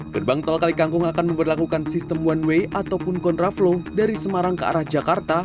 gerbang tol kalikangkung akan memperlakukan sistem one way ataupun kontraflow dari semarang ke arah jakarta